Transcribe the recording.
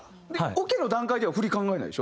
オケの段階では振り考えないでしょ？